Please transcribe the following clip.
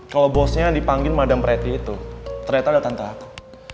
kalo bosnya yang dipanggil madam preti itu ternyata adalah tante aku